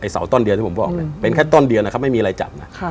เสาต้นเดียวที่ผมบอกเนี่ยเป็นแค่ต้นเดียวนะครับไม่มีอะไรจับนะ